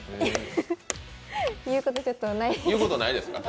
言うこと、ちょっとないです